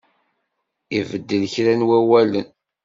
Ibeddel kra n wawalen.